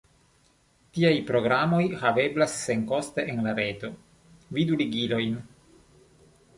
Tiaj programoj haveblas senkoste en la reto, vidu ligilojn.